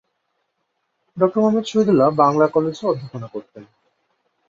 ড মুহম্মদ শহীদুল্লাহ বাংলা কলেজে অধ্যাপনা করতেন।